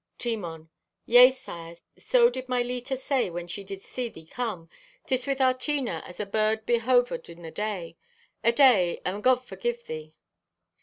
(Timon) "Yea, sire, so did my Leta say when she did see thee come. 'Tis with our Tina as a bird behovered in the day. Aday, and God forgive thee."